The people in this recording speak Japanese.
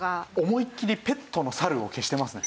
思いっきり「ペットのサル」を消してますね。